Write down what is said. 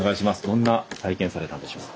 どんな体験されたんでしょうか。